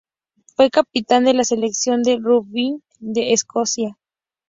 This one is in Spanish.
Fue capitán de la selección de rugby de Escocia.